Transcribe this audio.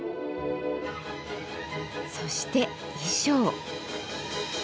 そして衣装。